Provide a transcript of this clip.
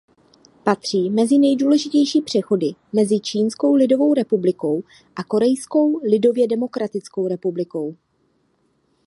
Patří mezi nejdůležitější přechody mezi Čínskou lidovou republikou a Korejskou lidově demokratickou republikou.